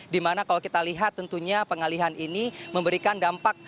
dimana kalau kita lihat tentunya pengalihan ini memberikan dampak